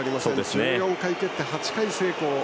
１４回蹴って８回成功。